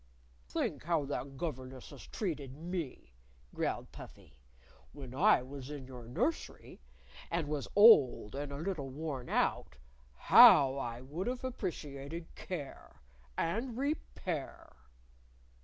"Think how that governess has treated me," growled Puffy. "When I was in your nursery, and was old and a little worn out, how I would've appreciated care and repair!"